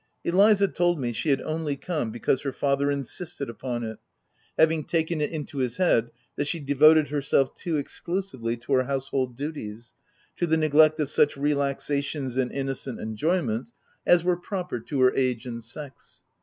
Eliza told me she had only come because her father in sisted upon it, having taken it into his head that she devoted herself too exclusively to her household duties, to the neglect of such re laxations and innocent enjoyments as were pro per to her age and sex.